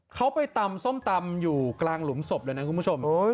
เขาไปตำส้มตำอยู่กลางหลุมศพเลยนะคุณผู้ชม